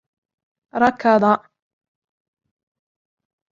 ركض.